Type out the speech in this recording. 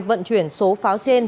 vận chuyển số pháo trên